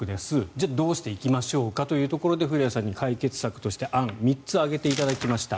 じゃあ、どうしていきましょうかというところで古屋さんに解決策として案を３つ挙げていただきました。